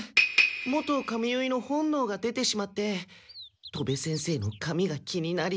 元髪結いの本能が出てしまって戸部先生の髪が気になり。